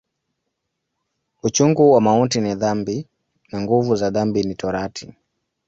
Uchungu wa mauti ni dhambi, na nguvu za dhambi ni Torati.